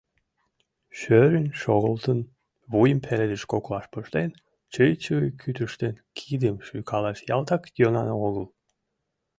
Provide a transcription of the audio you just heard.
Шӧрын шогылтын, вуйым пеледыш коклаш пыштен, чый-чуй кӱтыштын, кидым шуйкалаш ялтак йӧнан огыл.